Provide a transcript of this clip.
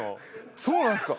そうなんすか？